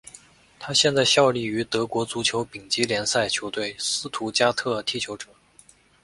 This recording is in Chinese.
他现在效力于德国足球丙级联赛球队斯图加特踢球者。